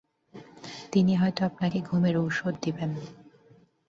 তিনি হয়তো আপনাকে ঘুমের ওষুধ দেবেন।